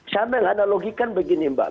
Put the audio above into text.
sambil ada logikan begini mbak